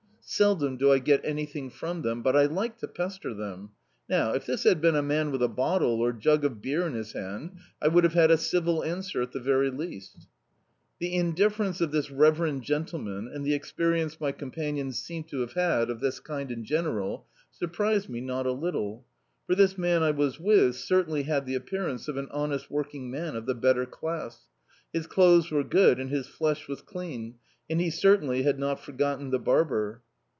Seldom do I get anything from them, but I like to pester them. Now, if this had been a man with a bottle, or jug of beer in his hand, I would have had a civil answer at the very least." The indifference of this reverend gentleman, and the experience my companion seemed to have had of this kind in general, surprised mc not a little; for this man I was with certainly had the appearance of an honest working man of the bet ter class; his clothes were good, and his flesh was clean, and he certainly had not forgotten the bar ber.